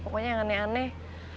pokoknya yang aneh aneh